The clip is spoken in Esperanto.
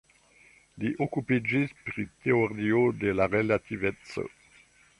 Li okupiĝis pri teorio de la relativeco.